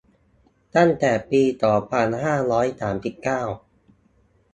ตั้งแต่ปี สองพันห้าร้อยสามสิบเก้า